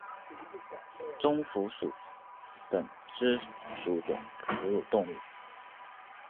棕蝠属等之数种哺乳动物。